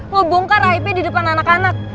lo bongkar ip di depan anak anak